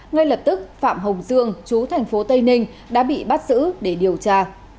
ngay lập tức phạm hồng dương chú tp tây ninh đã bị bắt giữ để điều tra